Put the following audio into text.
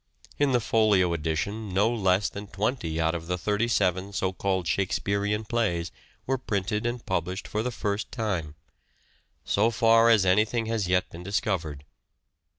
In the Folio edition no less than twenty out of the thirty seven, so called, Shakespearean plays were printed and published for the first time — so far as anything has yet been discovered.